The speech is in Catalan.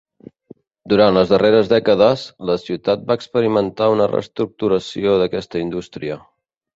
Durant les darreres dècades, la ciutat va experimentar una reestructuració d'aquesta indústria.